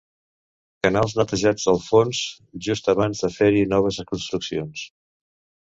Canals netejats del fons, just abans de fer-hi noves construccions.